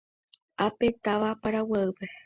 Ápe táva Paraguaýpe.